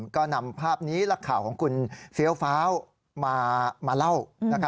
ก็นำภาพนี้และข่าวของคุณเฟี้ยวฟ้าวมาเล่า